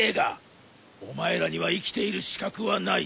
お前らには生きている資格はない。